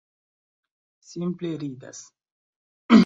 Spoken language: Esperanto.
Simple ridas!